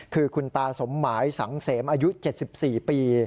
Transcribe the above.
คือคุณตาสมหมายสังเสมอายุ๗๔ปี